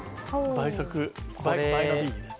倍速のＢです。